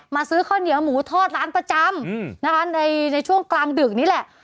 ซื้อข้าวเหนียวหมูทอดร้านประจำนะคะในช่วงกลางดึกนี่แหละ